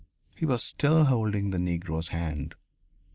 He was still holding the Negro's hand.